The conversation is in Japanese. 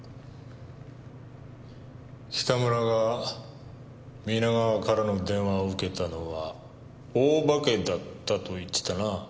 北村が皆川からの電話を受けたのは大庭家だったと言ってたな？